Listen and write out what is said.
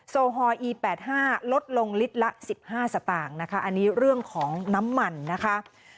โซฮอลอี๘๕ลดลงลิตรละ๑๕สตางค์นะคะอันนี้เรื่องของน้ำมันนะคะ